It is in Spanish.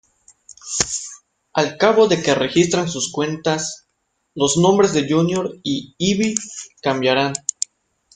Al cabo de que registran sus cuentas, los nombres de Junior y Ivy cambiarán.